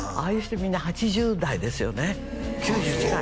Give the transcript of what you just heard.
みんな８０代ですよねああ